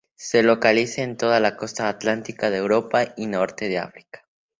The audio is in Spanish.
Se localiza en toda la costa atlántica de Europa y norte de África.